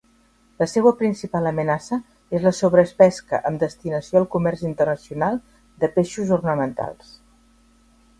La seua principal amenaça és la sobrepesca amb destinació al comerç internacional de peixos ornamentals.